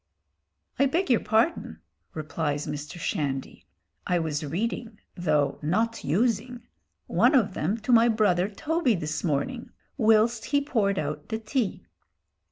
"I beg your pardon," replies Mr. Shandy, "I was reading though not using one of them to my brother Toby this morning, whilst he poured out the tea."